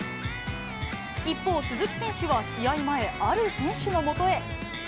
一方、鈴木選手は試合前、ある選手のもとへ。